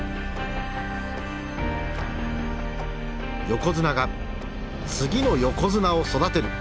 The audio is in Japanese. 横綱が次の横綱を育てる。